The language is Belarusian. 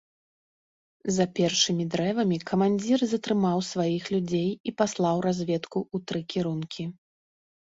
За першымі дрэвамі камандзір затрымаў сваіх людзей і паслаў разведку ў тры кірункі.